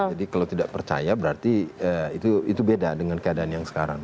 jadi kalau tidak percaya berarti itu beda dengan keadaan yang sekarang